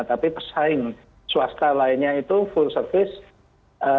tapi pesaing swasta lainnya itu full service